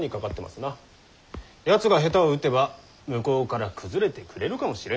やつが下手を打てば向こうから崩れてくれるかもしれん。